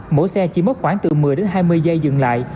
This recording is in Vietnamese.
mỗi xe chỉ mất khoảng từ một mươi đến hai mươi giây dừng lại